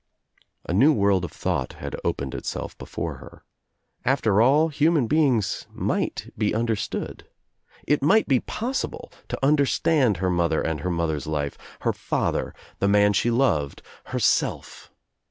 A new world of thought had opened itself before her. After all human beings might be understood. It might be possible to understand her mother and her mother's life, her father, the man she loved, herself.